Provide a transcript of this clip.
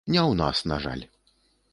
Не ў нас, на жаль.